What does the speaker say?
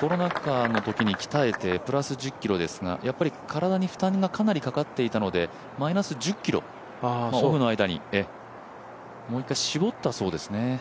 コロナ禍のときに鍛えてプラス１０ｋｇですがやっぱり体に負担がかなりかかっていたので、マイナス１０ｋｇ、オフの間に、もう一回絞ったそうですね。